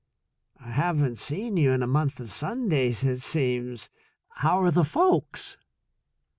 "I haven't seen you in a month of Sundays, it seems. How are the folks?"